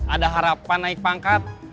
ada harapan naik pangkat